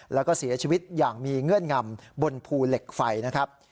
แล้วก็เสียชีวิตอย่างมีเงื่อนงำบนภูเหล็กไฟนะครับ